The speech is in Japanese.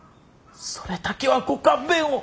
それだけはご勘弁を。